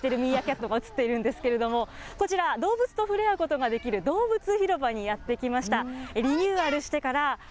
だれーっとしているミーアキャットが映ってるんですけれども、こちら、動物と触れ合うことができるどうぶつ広場にやって来ました。